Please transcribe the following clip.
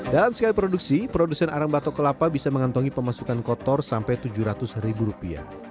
dalam sekali produksi produsen arang batok kelapa bisa mengantongi pemasukan kotor sampai tujuh ratus ribu rupiah